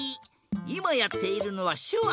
いまやっているのはしゅわ。